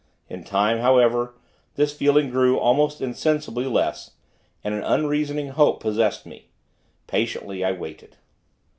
In time, however, this feeling grew, almost insensibly, less, and an unreasoning hope possessed me. Patiently, I waited.